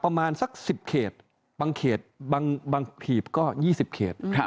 ประมาณสัก๑๐เขตบางเขตบางหีบก็๒๐เขต